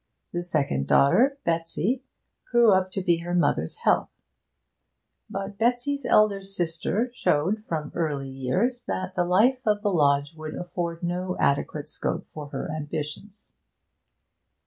The second daughter, Betsy, grew up to be her mother's help. But Betsy's elder sister showed from early years that the life of the lodge would afford no adequate scope for her ambitions.